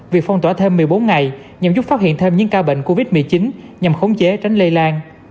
việc phong tỏa thêm một mươi bốn ngày nhằm giúp phát hiện thêm những ca bệnh covid một mươi chín nhằm khống chế tránh lây lan